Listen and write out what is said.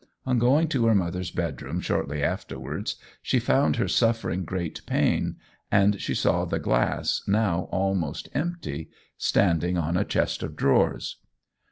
On going to her mother's bedroom shortly afterwards, she found her suffering great pain, and she saw the glass, now almost empty, standing on a chest of drawers.